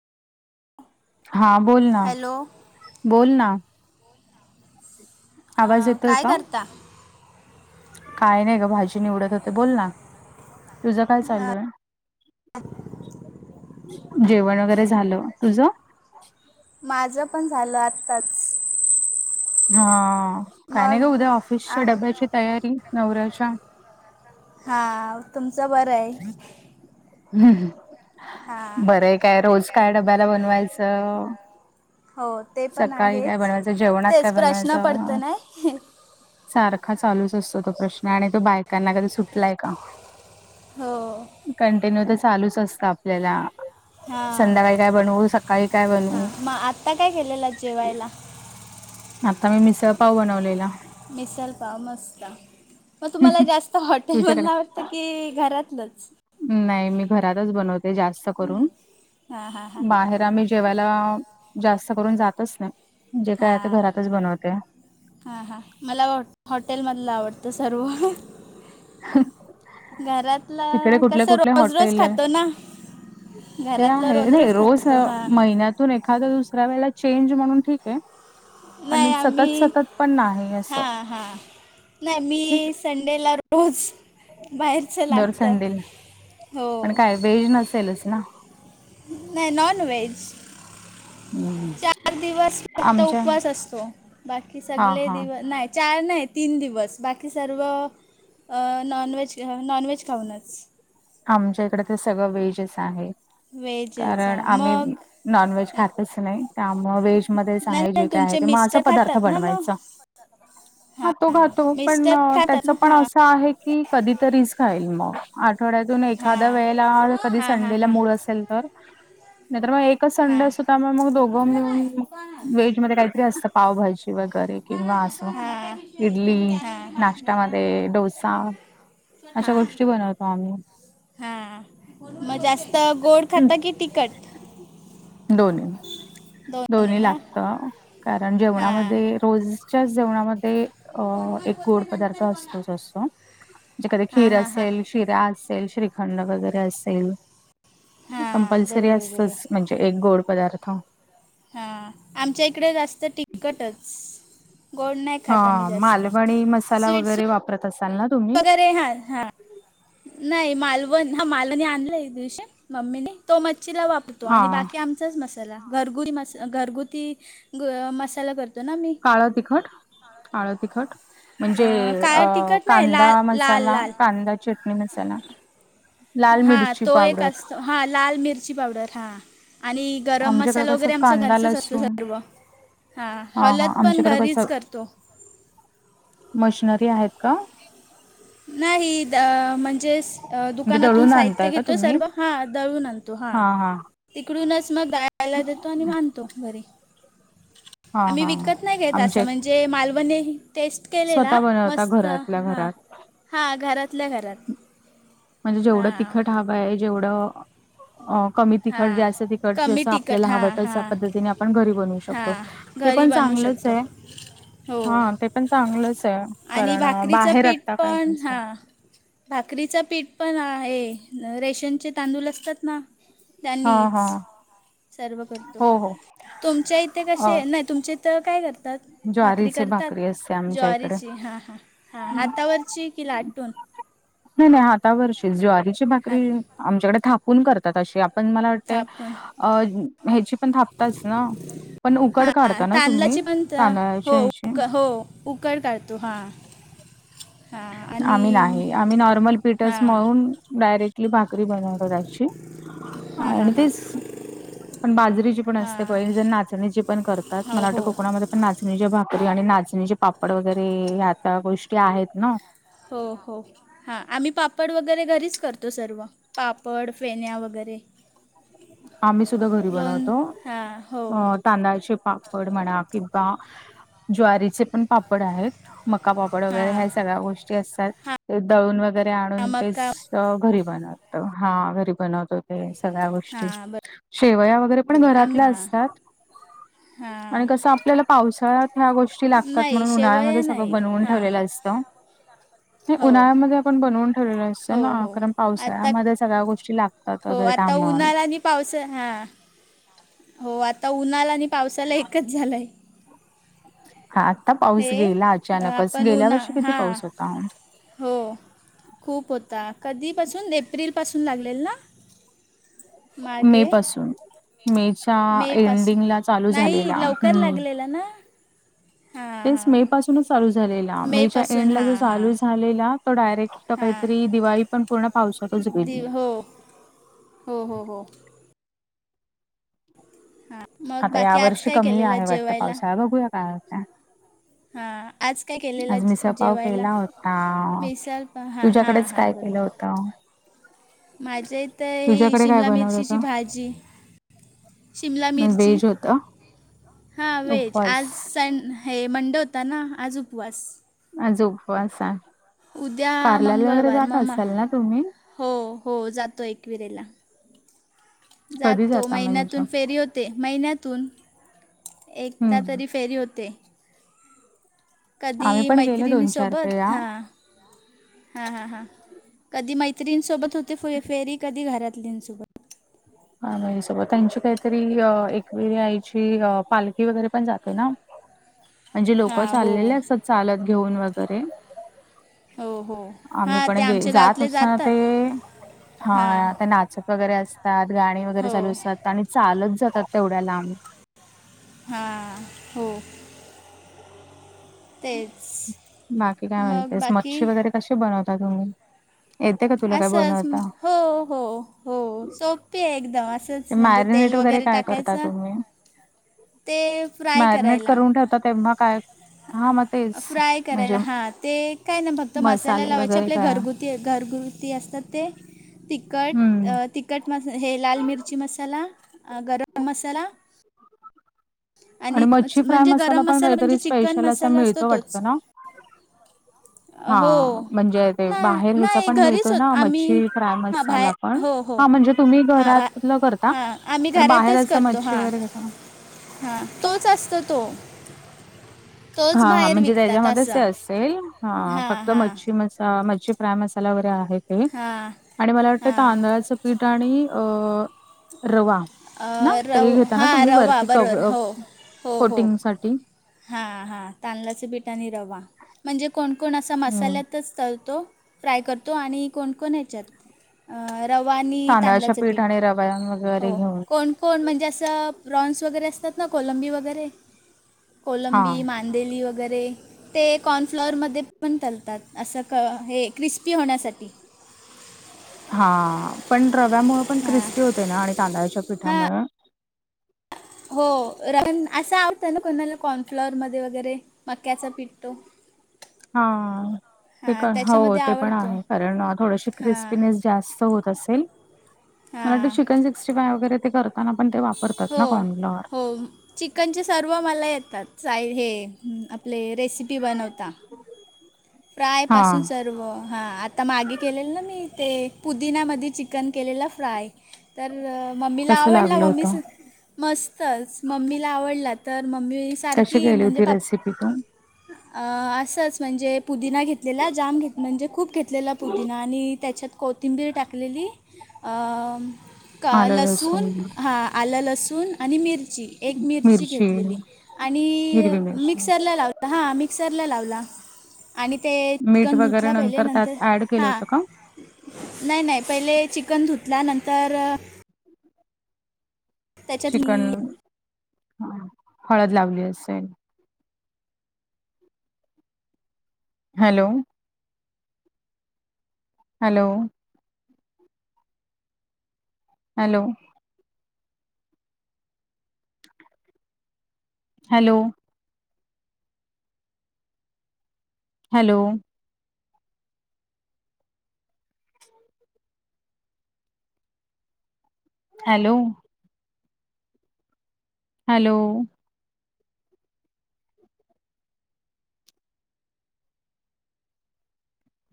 हा बोल ना हॅलो बोल ना आवाज अं, येतोय काय का करता काय नाही ग भाजी निवडत होते बोल ना तुझ काय चालू आहे जेवण वगैरे झालं तुझं माझं पण झालं आत्ताच हा काय नाही का मग उद्या आ ऑफिसच्या डब्याची तयारी नवऱ्याच्या हा तुमचं बरं आहे हम्म हम् हा बरं काय रोज काड झाला बनवायचं? बनवायचं हो ते पण सकाळी काय आहेच बनवायचं? जेवणात काय तेच प्रश्न पडत बनवायचं? नाही सारखा चालूच असतो तो प्रश्न आणि तो बायकांना कधी सुटलाय का हो कंटिन्यू तर चालूच असत आपल्याला हां संध्याकाळी काय बनवू सकाळी काय बनू हां मग आत्ता काय केलेलं जेवायला आता मी मिसळपाव बनवलेला मिसल फ मस्त मग तुम्हाला जास्त हॉटेल तुझ्याकडे म्हणला आवडत की घरातलंच नाही मी घरातच बनवते जास्त करून हां हां हां बाहेर आम्ही जेवायला जास्त करून जातच नाही जे काय ते हां घरातच बनवते हां हां मला हॉटेलमधलं आवडतं सर्व हो घरातलं कसं कुठले रोज रोज हॉटेल आहे खातो ना ते घरातलं आहे र रोज खातो हां महिन्यातून एखाद दुसऱ्या वेला चेंज म्हणून ठीक. आहे ह. नाही पण आम्ही सतत सतत पण नाही असं हा हा नाही मी ठीक संडेला रोज बाहेरचं लागतं हो. बेज नसेलच ना. नाही नॉन वहेज. हम्म. चार दिवस फक्त आमच्या उपवास असतो बाकी हा सगळे हा दिव नाही. चार नाही तीन दिवस बाकी सर्व नॉनव्हेज नॉनव्हेज खाऊनच. आमच्या इकडे तर सगळं वेजेस आहे कारण व्हेजचा आम्ही मग नॉनव्हेज खातच नाही. त्यामुळ वेहेजमध्येध्येच नाही आहे नाही जे काय आहे तुमचे ते मग असा पदार्थ बनवायचा. ह. हा तो घातो पण त्याच पण असं आहे की कधीतरीच खाईल मग आठवड्या हा एखा्या वेळे कधी हा सं हा हा हा मड असेल तर मग हा संडेसद्ध म मग दोघं मिळून वेज मध्ये काहीतरी असतं पावभाजी वगैरे किंवा असं हा इडली नाश्त्यामध्ये डोसा. हा अशा हा गोष्टी बनवतात. हा मग जास्त गोड खातं की तिकट. दोन्ही दोन्ही लागत कारण हा जेवणामध्ये रोजच्याच जेवणामध्ये अ एक गोड पदार्थ असतो जसो जे क हा खीर हा हा असेल. शिरा असेल श्रीखंड वगैरे असेल हा कंपल्सरी बरोबर बरोबर असतच म्हणजे एक गोड पदारथो हा आमच्या इकडे जास्त तिकटच. ह मालवणी मसाला वगैरे वापरत असाल ना तुम्ही? अरे हा हा. नाही मालवण ह मालवणी आणलाय दिवशी मम्मीने तो मच्छीला वापरतो हा आणि बाकी आम मसाला घरगुती घरगुती मसाला करतो ना मी काळं तिखट काळळं तिखट म्हणजे अ काळा तिखट नाही कांदा लाल लाल मसाला लाल कांदा चटणी मसाला लाल मिरचीची पावडर हा लाल मिरची पावडर हा. आणि गरम आमच्याकडे मसाला कसं वगैरे आमच्या कांदा घरचच असते लसूण सर्व हा हा हलत पण आमच्याकडे कसं घरीच करतो. मशनरी आहेत का? नाही द म्हणजेच अ म्हणजे दुकानातून दळून साहित्य आणताय का घेतो तुम्ही सर्व हा दळून आणतो हा. तिकडूनच मग दायला देतो आणि मानतो घरी हा आम्ही हा विकत नाही घ त असं आमच्या म्हणजे मालवणी टेस्ट केलेला स्वतः बनवता मस्त घरातल्या हां घरात हां घरातल्या घरात म्हणजे जेवढं हां तिखट हवं आहे जेवढं. अ कमी तिखट हां जास्त तिखट कमी जसं तिखट आपल्याला हवं हां तशा हां पद्धतीने आपण घरी बनवू शकतो. हां ते घरी पण बनवू चांगलंच शकतो आहे. हो हा ते पण चांगलंच आहे आणि कारण भाकरीचं बाहेर आता काय भसात भाकरीचा पीठ पण आहे रेशनचे तांदूळ असतात ना. हा त्यांनीच हा सर्व करतो हो हो तुमच्या इथे अ कसे नाही तुमच्या? तर काय करतात. भाकरी ज्वारीची करतात भाकरी असते आमच्या इकडे ज्वारीची हा हा हा हातावरची की लाटून नाही नाही हातावरर ज्वारीची हात भाकरी आमच्याकडे थापून करतात अशी पण मला वाटतें. थापून अ ह्याची पण थापताच ना पण उकड हां काढता ना तुम्ही तांदळाची पण हो तांदळाच्या ह्याची? उ हो उकड काढतो हा आम्ही नाही आम्ही नॉर्मल पीटर्स हां म्हणून डायरेक्ट कली भाकरी बन कराची हां हां आणि हां तेच पण बाजरीची पण असते क हां जण नाचणीची पण करतात हो मला वाटतं हो कोकणामध्ये पण नाचणीच्या भाकरी आणि नाचणीचे पापड वगैरे आता गोष्टी आहेत ना हो हो हा आम्ही पापड वगैरे घरीच करतो सर्व पापड फेण्या वगैरे आम्ही सुद्धा घरी लोण बनवतो हां हो अ तांदळाचे पापड म्हणा किंवा ज्वारीचे पण पापड आहेत मकापापड हां वगैरे ह्या सगळ्या गोष्टी असतात ते दळून वगैरे हां आणून ते मका घरी बनवत हा घरी बनवत होते सगळ्या गोष्टी हां शेवया वर वगैरे पण बरोबर आम्ही घरातल्या हां असतात आणि हां कसं आपल्याला पावसाळ्यात ह्या गोष्टी लागतात नाही म्हणून उन्हाळ्यामध्ये शेवया सगळं नाही बनवून हां ठेवलेलं असत [unintelligible] हो उन्हाळ्यामध्ये आपण बनवून ठेवलेलं असत हो ना हो कारण आता पावसाळ्यामध्ये सगळ्या गोष्टी लागतात हो वगैरे आता त्यामुळे उन्हाळा आणि पावसा हा हो आता उन्हाला आणि पावसाला एकच झालंय हा आता पाऊस हे गेला अ, अचानकच आपण गेल्या उन्हा वर्षी किती हां पाऊस होता हो खूप होता कधीपासून एप्रिलपासून लागलेल ना मे मागे पासून मेच्या एंडिंगला चालू झालेल्या अगलेला ना हां तेच हां मे पासूनच चालू मे च्या मेपासून एंडला जो हां हां चालू झालेला तो डायरेक्ट हां काहीतरी दिवाळी पण पूर्ण पावसातच गे दिव नाही हो हो हो हो हा मग आता या बाकी आज वर्षी काय कमी केलेलं आहे वाटतं जेवायला पावसाळा बघूया काय हां आज काय केलेलं आज मी जे- सपााव जेवायला केला होता मिसळ पा हां हां तुझ्याकडेच काय केलं होतं माझे तर ही तुझ्याकडे काय शिमला बनवलं मिरचीची होतं? भाजी शिमला मिरची व्हेज होतं. हा वेज उपवास आज स हे मंडे होता ना आज उपवास अजोपा उद्या कार्लल वगैरे मंगळवार जात ममा असाल ना तुम्ही हो हो जातो एकविरेला कधी जातो जाता म्हणजे? महिन्यातून फेरी होत हो ते महिन्यातून एकदा हम्म. तरी फेरी होते कधी आम्ही पण गेलो मैत्रिणी दोन चार सोबत वेळा. हा हा हां हां कधी मैत्रींसोबत होते फ फेरी कधी घरातलींसोबत हा माे सोबत त्यांची काहीतरी एक वग आईची पालखी वगैरे पण जातोय ना ह म्हणजे लोकं चाललेले असतात चालत घेऊन वगैरे हो हो आम्ही हां पण ते गे आमच्या जात गावातले असताना जातात ते हां हा ते नाचत वगैरे असतात गाणी वगैरे चालू हो असतात आणि चालत जातात तेवढ्या लांब हा हो तेच बाकी काय मग म्हणतेस बाकी मच्छी वगैरे कशी बनवता तुम्ही येते का तुला काय असंच बनवता हो हो हो सोपे आहे एकदम असंच ते म्हणजे तेल मॅरिनेट वगैरे काय करता टाकायचं तुम्ही ते फ्राय मॅरिनेट करायला करून ठेवता तेव्हा काय हां मग तेच कराय म्हणजे हा ते काय नाही फक्त मसाल्या मसाले लावायचे वगैरे आपल्या काय घरगु ते घरगुरती असतात ते तिखट हम्म तिखट मसा हे लाल मिरची मसाला गरम मसाला आणि मच्छी फ्राय म्हणजे गरम पण मसाला काहीतरी म्हणजे चिकन स्पेशल असा मसाला असतो मिळतो तोच वाटतं ना हा हो म्हणजे ते नाही बाहेर ह्याचा नाही पण घरीच मिळतो होत ना आम्ही मच्छी फ्राय हा मसाला बाहेर. पण हो हो हा म्हणजे तुम्ही हा घरातलं करता हा आम्ही पण बाहेर घरातच असं करतो मच्छी हा. वगैरे घेता हा तोच असत तो हा तोच हा बाहेर म्हणजे विकतात त्याच्यामध्येच असं असेल हा हां फक्त हां मच्छी म मच्छी फ्राय मसाला वगैरे आहे ते हां आणि मला वाटतं तर हां आंदळाचं पीठ आणि अ रवा ना अं, ते रव घेता ना हां तुम्ही रवा वरती क बरोबर हो हो हो कोटिंगसाठी हां हां तांदळाचे पिठा आणि रवा म्हणजे कोणकोण असा हम्म मसाल्यातच तरतो फ्राय करतो आणि कोणकोण ह्याच्यात रवा आणि तांदळाच्या तांदळाचं पीठ आणि रव्या वगैरे हो घेऊन कोण? कोण म्हणजे असं प्रॉन्स वगैरे असतात ना कोलंबी वगैरे हा कोलंबी मांदेली वगैरे ते कॉर्नफ्लॉअरमध्ये पण तलतात. असं क हे क्रिस्पी होण्यासाठी हा पण रव्यामुळे पण हां क्रिस्पी हो. ना आणि कांदळा्याच्या हां पिठामुळे हो रन असं आवडतं ना कोणाला कॉर्नफ्लॉर मध्ये वगैरे मक्याचा पिठतो. हा ते हो त्याच्यामध्ये ते पण आवडतो आहे कारण थोडशी हां क्रिस्पीनेस त अस वा स हां फार ताना पण ते वापरतात ना हो कॉन फ्लॉवर हो चिकनचे सर्व मला येतात साय हे आपले रेसिपी बनवता. ह. प्रायपासून सर्व हा आता मागे केलेलं ना मी ते पुदिनमध्ये चिकन केलेलं फ्राय. तर मम्मीला तसं आवडला लागलं मम्मी होतं सु मस्तच मम्मीला आवडलात. तर मम्मी कशी सारखी केली म्हणजे होती पप रेसिपी तू अ असंच म्हणजे पुदीना घेतलेला जाम घेत म्हणजे खूप घेतलेला पुदिना आणि त्याच्यात कोथिंबीर टाकलेली. अ का लसूण हां आलं लसूण आणि मिरची. एक मिरची घेतलेली आणि हिरवी मिरची मिक्सरला लाव हां मिक्सरला लावला. आणि ते मीठ चिकन वगैरे धुतला पहिले नंतर त्यात ऍड केलं हां. होतं का नाही नाही पहिले चिकन धुतला नंतर त्याच्यात चिकन मी हा हळद लावली असेन. Hello. Hello. Hello. Hello. Hello. Hello. Hello.